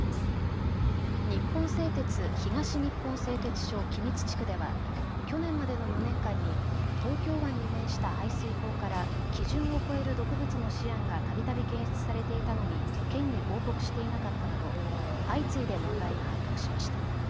日本製鉄東日本製鉄所君津地区では去年までの４年間に東京湾に面した排水口から基準を超える毒物のシアンがたびたび検出されていたのに県に報告していなかったなど相次いで問題が発覚しました。